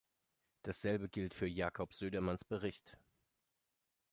Dasselbe gilt für Jakob Södermans Bericht.